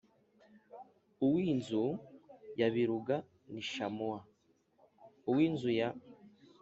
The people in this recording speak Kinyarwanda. uw inzu ya Biluga ni Shamuwa uw inzu ya